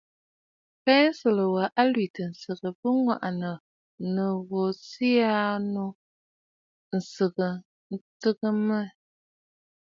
Pensə̀lə̀ wa a lwìtə̀ ǹsɨgə, bɨ ŋwàʼànə̀ nɨ ghu siʼi a ghuʼu nsɨgə ntɨgə mmɛ.